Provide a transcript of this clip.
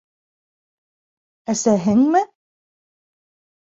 Әсәһеңме?